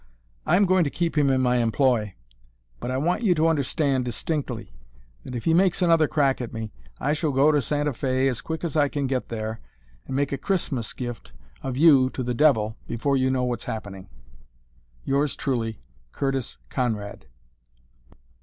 I am going to keep him in my employ, but I want you to understand, distinctly, that if he makes another crack at me I shall go to Santa Fe as quick as I can get there and make a Christmas gift of you to the devil before you know what's happening. "Yours truly, "CURTIS CONRAD.